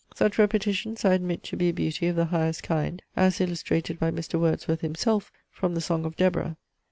Such repetitions I admit to be a beauty of the highest kind; as illustrated by Mr. Wordsworth himself from the song of Deborah.